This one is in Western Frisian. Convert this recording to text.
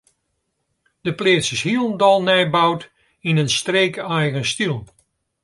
De pleats is hielendal nij boud yn in streekeigen styl.